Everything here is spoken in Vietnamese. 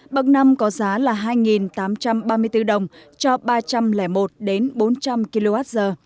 bậc năm có giá là hai tám trăm ba mươi bốn đồng cho ba trăm linh một đến bốn trăm linh kwh